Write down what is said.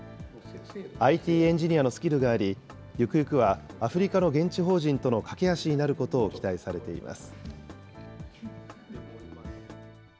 ＩＴエンジニアのスキルがあり、ゆくゆくはアフリカの現地法人との懸け橋になることを期待されています。